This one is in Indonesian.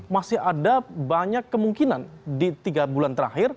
masih ada banyak kemungkinan di tiga bulan terakhir